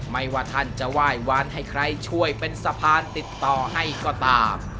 ไม่ว่าท่านจะไหว้วานให้ใครช่วยเป็นสะพานติดต่อให้ก็ตาม